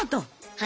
はい。